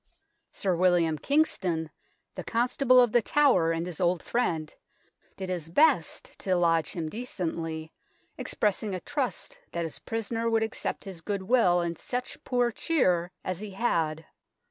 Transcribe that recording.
Sir William Kingston, the Constable of The Tower and his old friend, did his best to lodge him decently, expressing a trust that his prisoner would accept his goodwill and such poor cheer as he had.